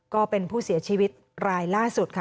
ก็เป็นผู้เสียชีวิตรายล่าสุดค่ะ